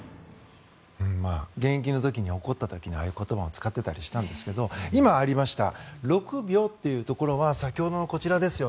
現役の時に怒った時はああいう言葉を使ったこともあったんですが今、ありました６秒というところは先ほどのこちらです